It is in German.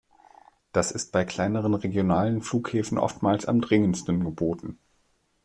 Das ist bei kleineren regionalen Flughäfen oftmals am dringendsten geboten.